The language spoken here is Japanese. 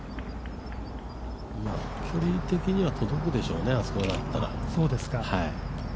距離的には届くでしょうねあそこだったら。